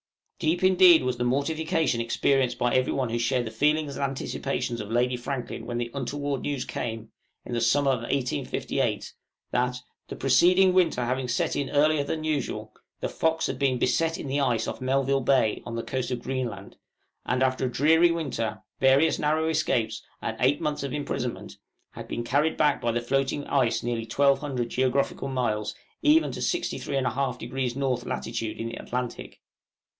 Deep, indeed, was the mortification experienced by every one who shared the feelings and anticipations of Lady Franklin when the untoward news came, in the summer of 1858, that, the preceding winter having set in earlier than usual, the 'Fox' had been beset in the ice off Melville Bay, on the coast of Greenland, and after a dreary winter, various narrow escapes, and eight months of imprisonment, had been carried back by the floating ice nearly twelve hundred geographical miles even to 63 1/2° N. lat. in the Atlantic! See the woodcut map, No. 1.